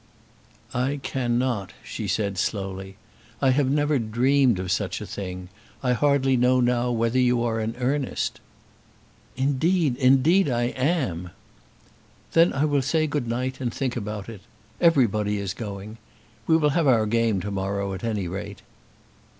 "I cannot," she said slowly. "I have never dreamed of such a thing. I hardly know now whether you are in earnest." "Indeed, indeed I am." "Then I will say good night, and think about it. Everybody is going. We will have our game to morrow at any rate."